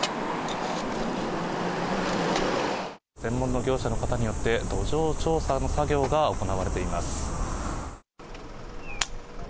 専門の業者の方によって、土壌調査の作業が行われています。